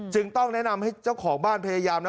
ต้องแนะนำให้เจ้าของบ้านพยายามนะ